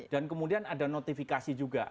dan kemudian ada notifikasi juga